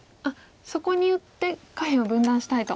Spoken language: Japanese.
そこに打って下辺を分断したいと。